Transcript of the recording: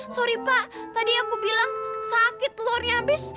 sorry pak tadi aku bilang sakit telurnya habis